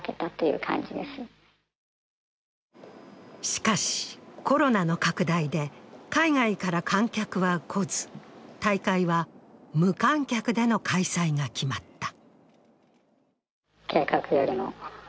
しかし、コロナの拡大で海外から観客は来ず、大会は無観客での開催が決まった。